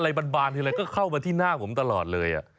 เนี่ยพอพูดอะไรบานก็เข้ามาที่หน้าผมตลอดเลย